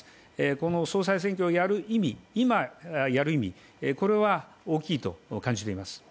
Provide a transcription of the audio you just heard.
この総裁選挙をやる意味、今、やる意味は大きいと感じています。